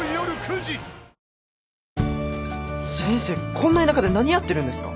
こんな田舎で何やってるんですか？